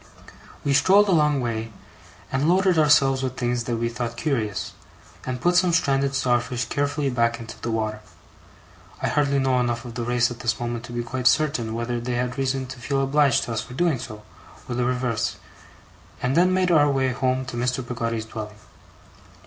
We strolled a long way, and loaded ourselves with things that we thought curious, and put some stranded starfish carefully back into the water I hardly know enough of the race at this moment to be quite certain whether they had reason to feel obliged to us for doing so, or the reverse and then made our way home to Mr. Peggotty's dwelling.